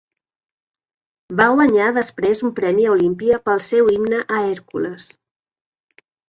Va guanyar després un premi a Olímpia pel seu himne a Hèrcules.